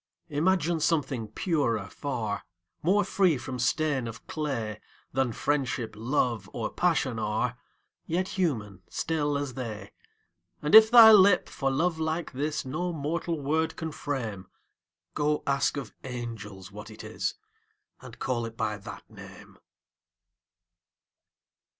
Imagine something purer far, More free from stain of clay Than Friendship, Love, or Passion are, Yet human, still as they: And if thy lip, for love like this, No mortal word can frame, Go, ask of angels what it is, And call it by that name!